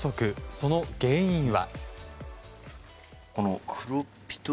その原因は。